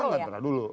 oh kontra dulu